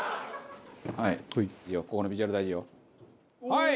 はい！